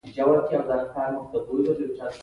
ایټالویان هم له موږ سره په ګډه راپاڅېدل.